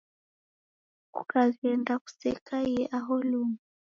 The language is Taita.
Kukaghenda kusekaie aho luma